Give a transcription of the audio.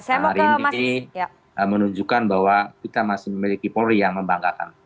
hari ini menunjukkan bahwa kita masih memiliki paul ri yang membanggakan